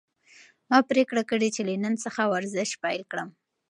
ما پریکړه کړې چې له نن څخه ورزش پیل کړم.